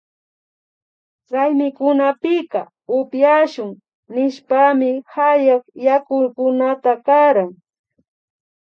Raymikunapika upyashun nishpami hayak yakukunata karan